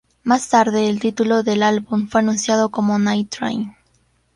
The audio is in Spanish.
Más tarde, el título del álbum fue anunciado como Night Train.